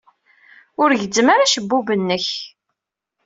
Ur gezzem ara acebbub-nnek!